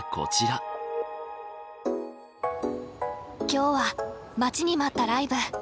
今日は待ちに待ったライブ。